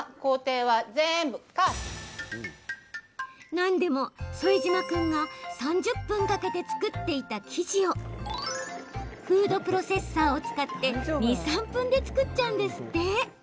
なんでも、副島君が３０分かけて作っていた生地をフードプロセッサーを使って２、３分で作っちゃうんですって。